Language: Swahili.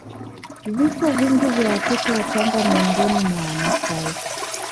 Vifo vingi vya watoto wachanga miongoni mwa Wamasai